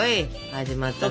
始まったぞ。